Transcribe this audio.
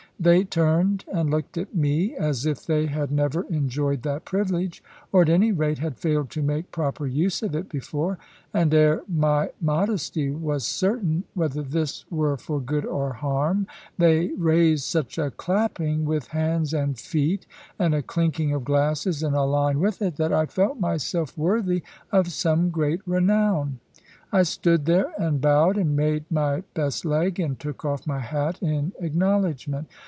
They turned and looked at me, as if they had never enjoyed that privilege, or, at any rate, had failed to make proper use of it before. And ere my modesty was certain whether this were for good or harm, they raised such a clapping with hands and feet, and a clinking of glasses in a line with it, that I felt myself worthy of some great renown. I stood there and bowed, and made my best leg, and took off my hat in acknowledgment.